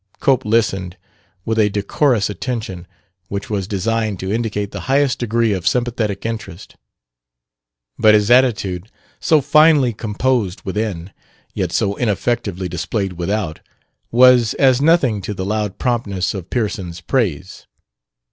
Cope listened with a decorous attention which was designed to indicate the highest degree of sympathetic interest; but his attitude, so finely composed within, yet so ineffectively displayed without, was as nothing to the loud promptness of Pearson's praise.